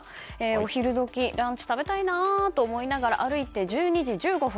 お昼時、ランチを食べたいと思いながら歩いて１２時１５分。